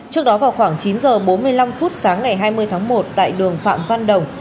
trước đó vào khoảng chín h bốn mươi năm phút sáng ngày hai mươi tháng một tại đường phạm văn đồng